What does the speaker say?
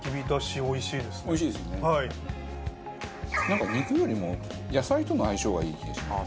なんか肉よりも野菜との相性がいい気がします。